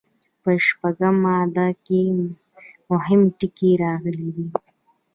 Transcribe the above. په شپږمه ماده کې مهم ټکي راغلي دي.